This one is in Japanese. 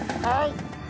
はい。